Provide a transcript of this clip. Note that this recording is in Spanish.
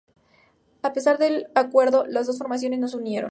A pesar del acuerdo, las dos formaciones no se unieron.